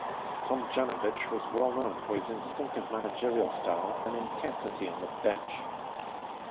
Tomjanovich was well known for his instinctive managerial style and intensity on the bench.